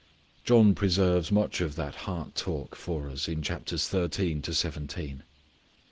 John preserves much of that heart talk for us in chapters thirteen to seventeen.